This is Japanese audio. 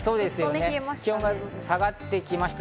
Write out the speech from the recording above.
気温が下がってきました。